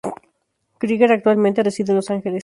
Krieger actualmente reside en Los Ángeles.